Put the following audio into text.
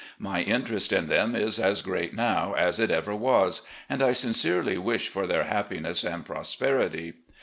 My interest in them is as great now as it ever was, and I sincerely wish for their happiness and prosperity.